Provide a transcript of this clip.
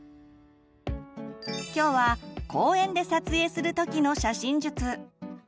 今日は公園で撮影する時の写真術。